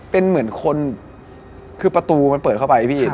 เป็นเหมือนคนคือประตูมันเปิดเข้าไปพี่